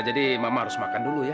jadi mama harus makan dulu ya